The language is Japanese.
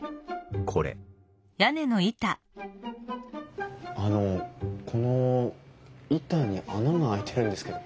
これあのこの板に穴が開いてるんですけど。